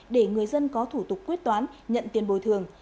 để người dân có thủ tục quyết toán nhận tiền bồi thường